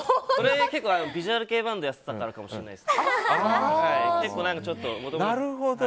結構ビジュアル系バンドやってたのもあるかもしれないですけど。